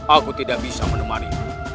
aku tidak bisa menemani